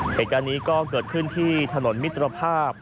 เหตุการณ์นี้ก็เกิดขึ้นที่ถนนมิตรภาพ